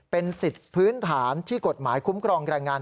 เป็นสิทธิ์พื้นฐานที่กฎหมายคุ้มครองแรงงาน